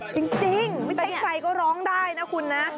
จริงไม่ใช่ใครก็ร้องได้นะคุณนะ